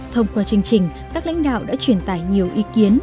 thông qua chương trình các lãnh đạo đã truyền tải nhiều ý kiến